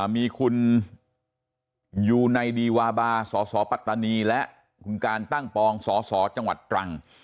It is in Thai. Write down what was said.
มีคุณยูไนดีวาบาสสปัตตานีและคุณการตั้งปองสสจังหวัดตรัง